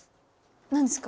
何ですか？